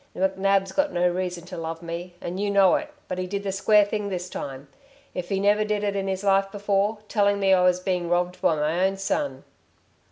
McNab's got no reason to love me and you know it ... but he did the square thing this time if he never did it in his life before, telling me I was being robbed by my own son."